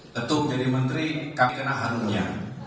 tetum jadi menteri kami kena harumnya